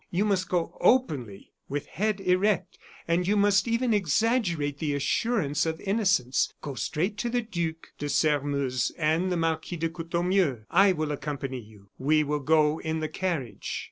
You must go openly, with head erect, and you must even exaggerate the assurance of innocence. Go straight to the Duc de Sairmeuse and the Marquis de Courtornieu. I will accompany you; we will go in the carriage."